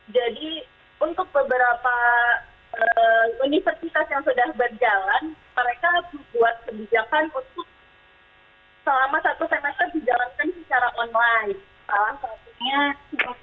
jadi untuk beberapa universitas yang sudah berjalan mereka membuat kebijakan untuk selama satu semester dijalankan secara online